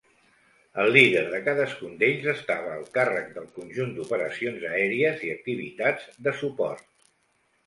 El líder de cadascun d'ells estava al càrrec del conjunt d'operacions aèries i activitats de suport.